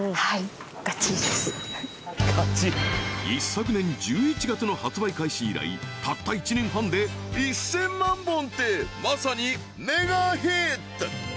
一昨年１１月の発売開始以来たった１年半で１０００万本ってまさにメガヒット！